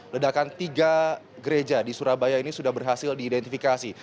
ledakan tiga gereja di surabaya ini sudah berhasil diidentifikasi